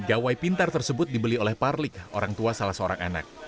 gawai pintar tersebut dibeli oleh parlik orang tua salah seorang anak